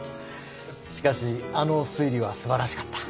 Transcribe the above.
しかしあの推理は素晴らしかった。